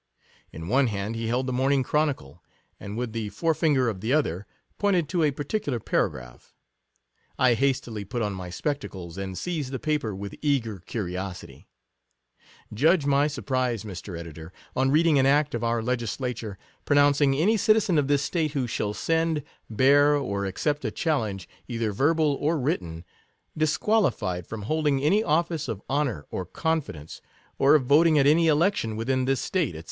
In one hand he held the Morning Chro nicle, and with the fore finger of the other, pointed to a particular paragraph. I hastily put on my spectacles, and seized the paper with eager curiosity. Judge my surprise, Mr. Editor, on reading an act of our legisla ture, pronouncing any citizen of this State who shall send, bear, or accept a challenge, either verbal or written, disqualified from holding any office of honour or confidence, or of voting at any election within this State, &c.